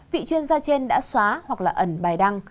vị chuyên gia trên đã xóa hoặc là ẩn bài đăng